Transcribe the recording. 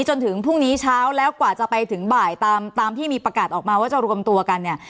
จนถึงพรุ่งนี้เช้าแล้วกว่าจะไปถึงบ่ายตามตามที่มีประกาศออกมาว่าจะรวมตัวกันเนี่ย